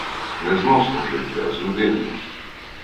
Не з носом жити, а з людиною.